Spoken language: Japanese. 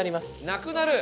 なくなる？